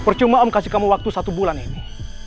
percuma om kasih kamu waktu satu bulan ini